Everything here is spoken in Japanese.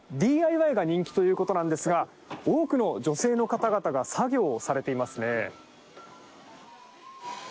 今、ＤＩＹが人気ということなんですが多くの女性の方々が作業をされていますね。